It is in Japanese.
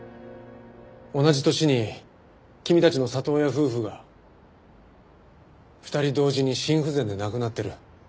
同じ年に君たちの里親夫婦が２人同時に心不全で亡くなってる。